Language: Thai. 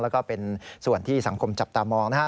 แล้วก็เป็นส่วนที่สังคมจับตามองนะฮะ